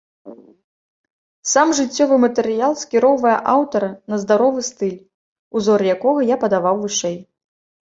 Сам жыццёвы матэрыял скіроўвае аўтара на здаровы стыль, узоры якога я падаваў вышэй.